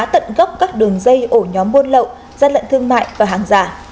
tận gốc các đường dây ổ nhóm buôn lậu gian lận thương mại và hàng giả